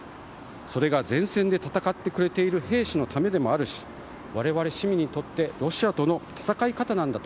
それが前線で戦っている兵士のためでもあるし我々市民にとってロシアとの戦い方なんだと。